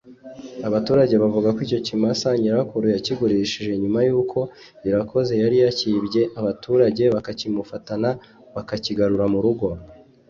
Abaturage bavuga ko icyo kimasa nyirakuru yakigurishije nyuma y’ uko Irakoze yari yakibye abaturage bakakimufatana bakakigarura mu rugo